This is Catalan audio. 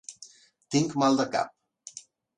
Tinc mal de cap.